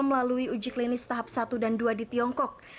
melalui uji klinis tahap satu dan dua di tiongkok